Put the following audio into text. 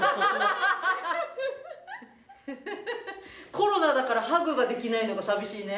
コロナだからハグができないのが寂しいね。